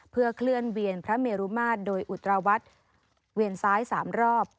เพื่อเคลื่อนเวียนพระเมรุมาตรโดยอุตราวัดเวียนซ้าย๓รอบ